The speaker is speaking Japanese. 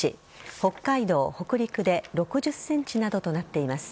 北海道、北陸で６０ｃｍなどとなっています。